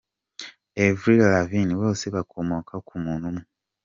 Avril Lavigne, Bose bakomoka ku muntu umwe.